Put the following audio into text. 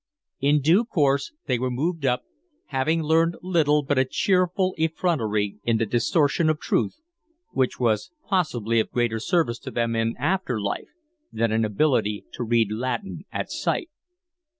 In due course they were moved up, having learned little but a cheerful effrontery in the distortion of truth, which was possibly of greater service to them in after life than an ability to read Latin at sight.